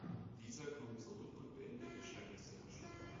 Dieser kommt zurück und beendet die Schreckensherrschaft.